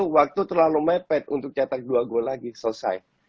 dua puluh satu waktu terlalu mepet untuk catat dua gol lagi selesai